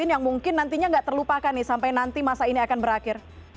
yang mungkin nantinya tidak terlupakan nih sampai nanti masa ini akan berakhir